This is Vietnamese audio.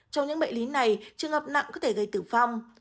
trong những bệnh lý này trường hợp nặng có thể gây tử vong